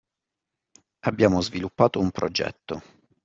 Abbiamo sviluppato un progetto